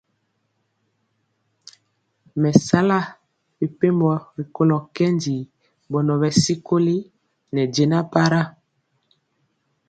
Me sala mɛpembo rikolo kɛndi bɔnɔ bɛ sikoli ne jɛna para,